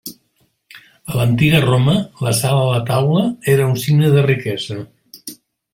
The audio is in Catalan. A l'Antiga Roma, la sal a la taula era un signe de riquesa.